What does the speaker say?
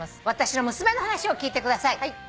「私の娘の話を聞いてください。